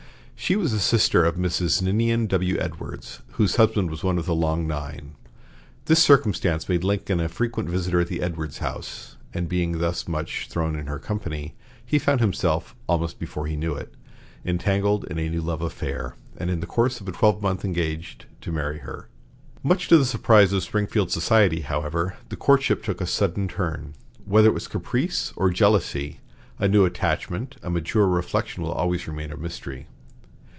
She was a sister of Mrs. Ninian W. Edwards, whose husband was one of the "Long Nine." This circumstance made Lincoln a frequent visitor at the Edwards house; and, being thus much thrown in her company, he found himself, almost before he knew it, entangled in a new love affair, and in the course of a twelvemonth engaged to marry her. Much to the surprise of Springfield society, however, the courtship took a sudden turn. Whether it was caprice or jealousy, a new attachment, or mature reflection will always remain a mystery.